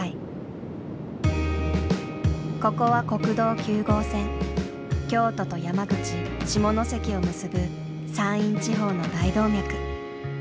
ここは京都と山口・下関を結ぶ山陰地方の大動脈。